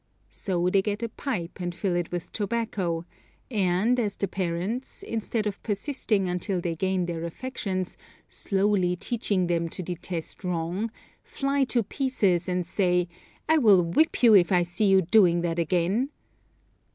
So they get a pipe and fill it with tobacco, and as the parents, instead of persisting until they gain their affections, slowly teaching them to detest wrong, fly to pieces and say, "I will whip you if I see you doing that again."